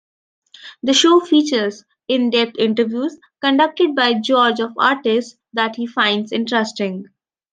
The show features in-depth interviews conducted by George of artists that he finds interesting.